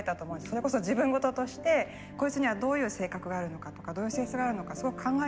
それこそ自分事としてこいつにはどういう性格があるのかとかどういう性質があるのかすごく考えたと思うんですね。